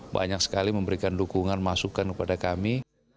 banyak sekali memberikan dukungan masukan kepada kami